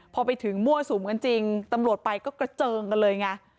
พอไปถึงมั่วสุมกันจริงตำรวจไปก็กระเจิงกันเลยไง